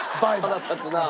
腹立つなあ。